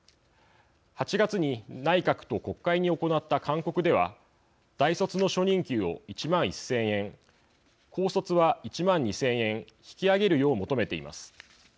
８月に内閣と国会に行った勧告では大卒の初任給を１万１，０００円高卒は１万２，０００円引き上げるよう求めています。